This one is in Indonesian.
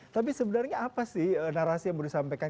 tapi sebenarnya apa sih narasi yang mau disampaikan